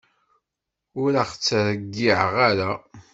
Ur ɣ-tt-ttreyyiɛ ara.